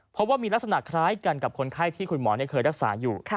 เพราะว่ามีลักษณะคล้ายกันกับคนไข้ที่คุณหมอเคยรักษาอยู่